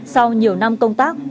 sau nhiều năm công tác